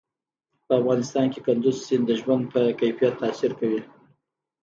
په افغانستان کې کندز سیند د ژوند په کیفیت تاثیر کوي.